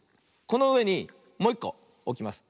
このうえにもういっこおきます。